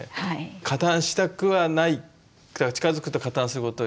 加担したくはない近づくと加担することになる。